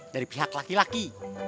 dari pihak laki laki